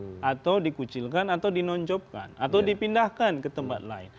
justru mereka ini disingkirkan atau dikucilkan atau di nonjob kan atau dipindahkan ke tempat lain